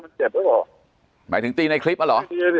มันเจ็บหรือเปล่าหมายถึงตีในคลิปอ่ะเหรอ